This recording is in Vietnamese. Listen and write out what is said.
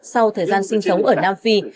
sau thời gian sinh sống ở nam phi